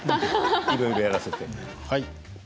いろいろやらせて。